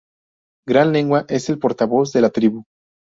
Gran Lengua es el portavoz de la tribu.